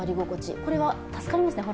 これは助かりますね。